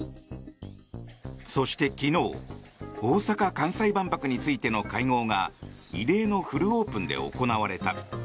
そして、昨日大阪・関西万博についての会合が異例のフルオープンで行われた。